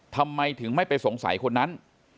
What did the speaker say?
ทำไมถึงไม่ไปสงสัยคนนั้น